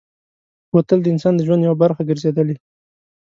بوتل د انسان د ژوند یوه برخه ګرځېدلې.